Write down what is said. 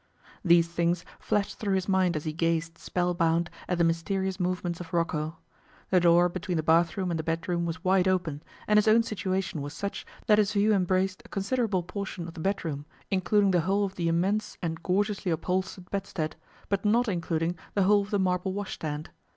These things flashed through his mind as he gazed, spellbound, at the mysterious movements of Rocco. The door between the bathroom and the bedroom was wide open, and his own situation was such that his view embraced a considerable portion of the bedroom, including the whole of the immense and gorgeously upholstered bedstead, but not including the whole of the marble washstand.